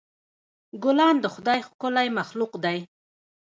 ګلان د خدای ښکلی مخلوق دی.